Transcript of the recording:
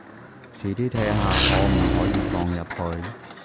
遲啲睇下可唔可以放入去